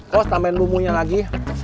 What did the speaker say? kos tambahin bumbunya lagi